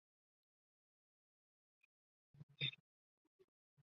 新疆铁角蕨为铁角蕨科铁角蕨属下的一个种。